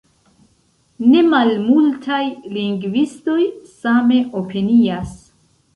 Nemalmultaj lingvistoj same opinias.